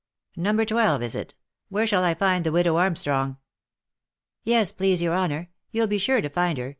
—No. 12, is it, where I shall find the widow Armstrong ?"" Yes, please your honour — you'll be sure to find her.